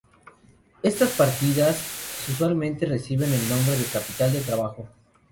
Estas partidas usualmente reciben el nombre de capital de trabajo.